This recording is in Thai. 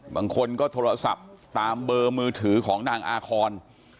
บางคนก็โทรศัพท์ตามเบอร์มือถือของนางอาคอน